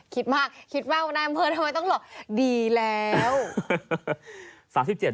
คิดมากคิดแววนายอำเภอทำไมต้องหลอกดีแล้ว